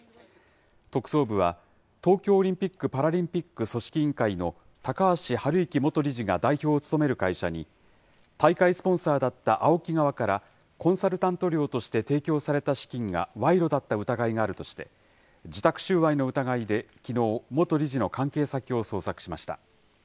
特捜部は、東京オリンピック・パラリンピック組織委員会の高橋治之元理事が代表を務める会社に、大会スポンサーだったＡＯＫＩ側から、コンサルタント料として提供された資金が賄賂だった疑いがあるとして、受託収賄の疑いできのう、元理事の関係先を捜索しました。